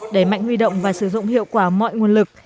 đẩy mạnh huy động và sử dụng hiệu quả mọi nguồn lực